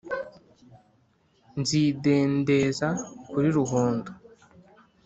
nzidendeza kuri ruhondo,